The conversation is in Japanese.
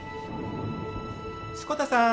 志子田さん。